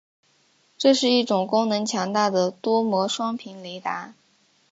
这是一种功能强大的多模双频雷达。